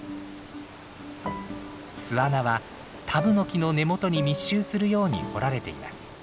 巣穴はタブノキの根元に密集するように掘られています。